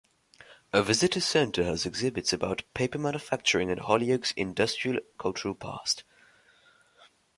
A visitors center has exhibits about paper manufacturing and Holyoke's industrial and cultural past.